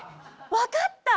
わかった？